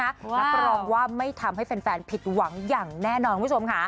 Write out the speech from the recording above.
รับรองว่าไม่ทำให้แฟนผิดหวังอย่างแน่นอนคุณผู้ชมค่ะ